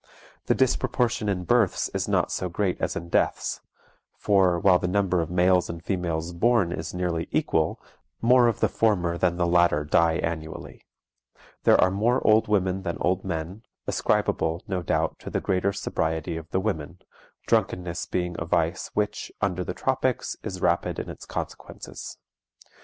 The disproportion in births is not so great as in deaths; for, while the number of males and females born is nearly equal, more of the former than the latter die annually. There are more old women than old men, ascribable, no doubt, to the greater sobriety of the women, drunkenness being a vice which, under the tropics, is rapid in its consequences.